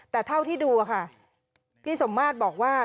แต่เท่าที่ดูค่ะพี่สมมาตรบอกว่า